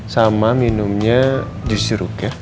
sama minumnya jus siruk ya